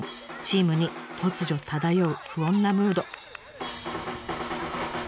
チームに突如漂う不穏なムード。